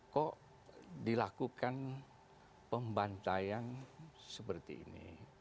kok dilakukan pembantaian seperti ini